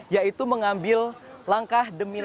yaitu mengambil langkah langkah yang tidak maksimal